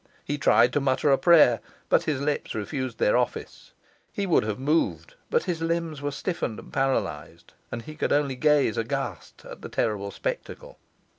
He tried to mutter a prayer, but his lips refused their office. He would have moved, but his limbs were stiffened and paralysed, and he could only gaze aghast at the terrible spectacle.